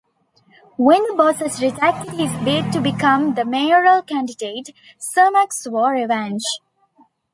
When the bosses rejected his bid to become the mayoral candidate, Cermak swore revenge.